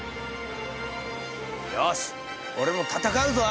よし俺も闘うぞ！